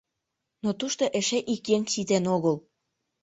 Но тушто эше ик еҥ ситен огыл.